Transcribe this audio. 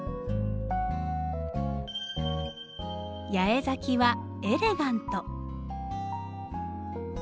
八重咲きはエレガント。